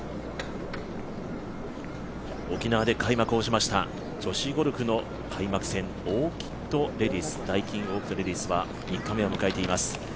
沖縄で開幕をしました女子ゴルフの開幕戦、ダイキンオーキッドレディスは３日目迎えています。